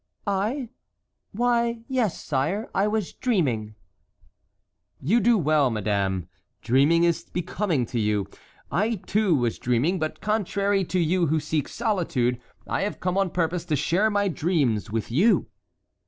"I? Why, yes, sire, I was dreaming." "You do well, madame. Dreaming is becoming to you. I too was dreaming; but contrary to you who seek solitude, I have come on purpose to share my dreams, with you."